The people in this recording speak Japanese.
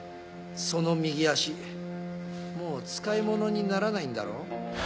その右足もう使いものにならないんだろう？